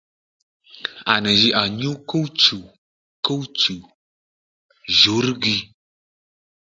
À tdè jǐ à nyǔ kúw-chù kúw-chù jǔrŕgi